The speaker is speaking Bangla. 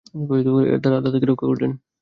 এর দ্বারা আল্লাহ্ তাকে রক্ষা করলেন।